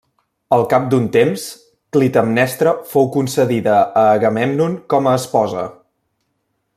Al cap d'un temps, Clitemnestra fou concedida a Agamèmnon com a esposa.